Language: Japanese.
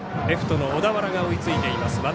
レフトの小田原が追いついています。